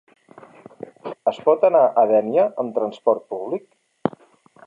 Es pot anar a Dénia amb transport públic?